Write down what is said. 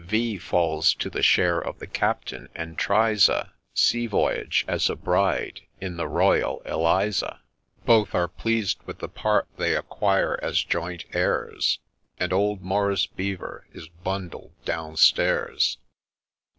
— V. falls to the share of the Captain, and tries a Sea voyage, as a Bride, in the ' Royal Eliza.' — Both are pleased with the part they acquire as joint heirs, And old Maurice Beevor is bundled down stairs